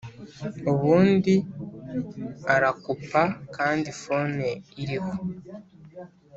ubundi arakupa kandi fone iriho